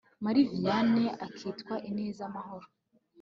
marie vianney akitwa ineza mahoro